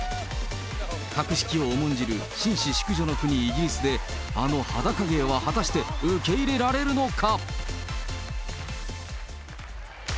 格式を重んじる、紳士、淑女の国、イギリスで、あの裸芸は果たして受け入れられるのか。